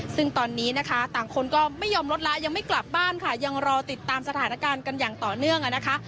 ซึ่งตอนนี้นะคะต่างคนก็ไม่ยอมลดละยังไม่กลับบ้านค่ะยังรอติดตามสถานการณ์กันอย่างต่อเนื่องอ่ะนะคะ